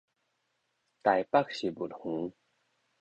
台北植物園